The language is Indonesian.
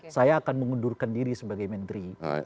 saya akan mengundurkan diri sebagai menteri